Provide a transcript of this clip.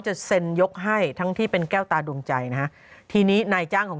จะเซ็นยกให้ทั้งที่เป็นแก้วตาดวงใจนะฮะทีนี้นายจ้างของ